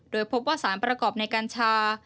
โดยพบว่าสารประกอบในกัญชา